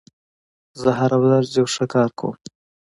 زه هره ورځ یو ښه کار کوم.